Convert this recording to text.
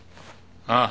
ああ。